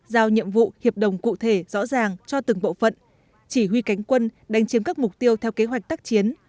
giao nhiệm vụ hiệp đồng cụ thể rõ ràng cho từng bộ phận chỉ huy cánh quân đánh chiếm các mục tiêu theo kế hoạch tác chiến